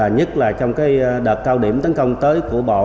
nhất là trong đợt cao điểm tấn công tới của bộ